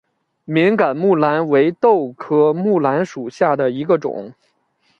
敏感木蓝为豆科木蓝属下的一个种。